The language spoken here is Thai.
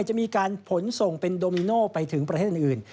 จะมีการขนส่งเป็นโดมิโนไปถึงประเทศอื่น